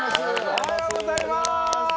おはようございます。